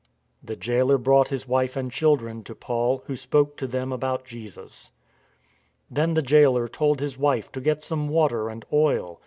The jailer brought his wife and his children to Paul, who spoke to them about Jesus. Then the jailer told his wife to get some water and oil.